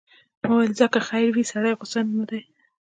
ما ویل ځه که خیر وي، سړی غوسه نه دی.